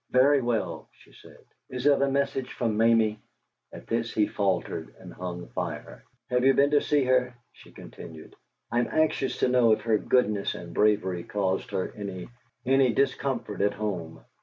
"Very well," she said. "Is it a message from Mamie?" At this he faltered and hung fire. "Have you been to see her?" she continued. "I am anxious to know if her goodness and bravery caused her any any discomfort at home."